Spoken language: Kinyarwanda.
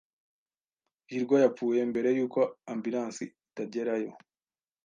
hirwa yapfuye mbere yuko ambilansi itagerayo.